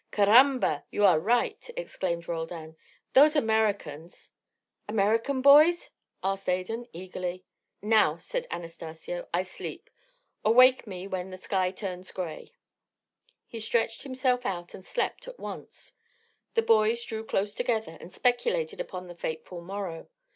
"Caramba! you are right," exclaimed Roldan. "Those Americans " "American boys?" asked Adan, eagerly. "Now," said Anastacio, "I sleep. Awake me when the sky turns grey." He stretched himself out and slept at once. The boys drew close together and speculated upon the fateful morrow.